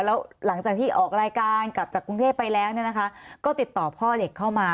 แล้วหลังจากที่ออกรายการกลับจากกรุงเทพไปแล้วเนี่ยนะคะก็ติดต่อพ่อเด็กเข้ามา